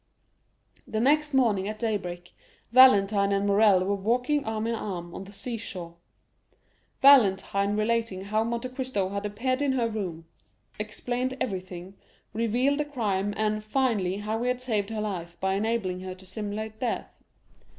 The next morning at daybreak, Valentine and Morrel were walking arm in arm on the seashore, Valentine relating how Monte Cristo had appeared in her room, explained everything, revealed the crime, and, finally, how he had saved her life by enabling her to simulate death.